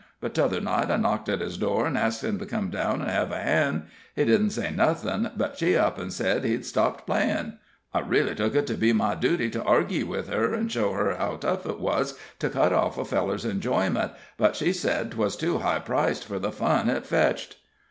But t'other night I knocked at his door, and asked him to come down an' hev a han'. He didn't say nothin', but she up an' sed he'd stopped playin'. I reely tuk it to be my duty to argy with her, an' show her how tough it wuz to cut off a feller's enjoyment; but she sed 'twas too high priced fur the fun it fetched."